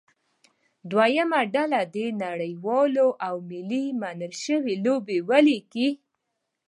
دویمه ډله دې نړیوالې او ملي منل شوې لوبې ولیکي.